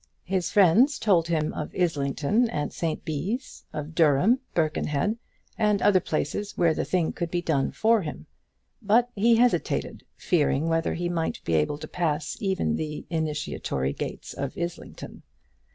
His friends told him of Islington and St Bees, of Durham, Birkenhead, and other places where the thing could be done for him; but he hesitated, fearing whether he might be able to pass even the initiatory gates of Islington.